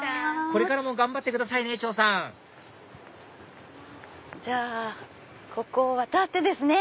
これからも頑張ってくださいね張さんじゃあここを渡ってですね